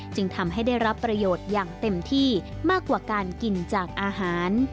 จึงทำให้ได้รับประโยชน์อย่างเต็มที่มากกว่าการกินจากอาหาร